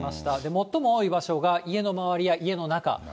最も多い場所が家の周りや家の中。